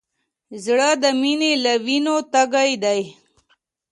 زړه د مینې له وینو تږی دی.